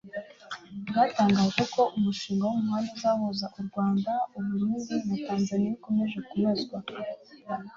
bwatangaje ko umushinga w'umuhanda uzahuza u rwanda, u burundi na tanzania ukomeje kunozwa